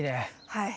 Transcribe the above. はい。